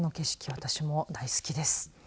私も大好きです。